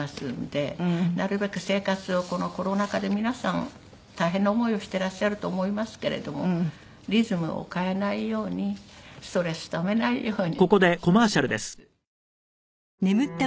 なるべく生活をこのコロナ禍で皆さん大変な思いをしてらっしゃると思いますけれどもリズムを変えないようにストレスためないようにしております。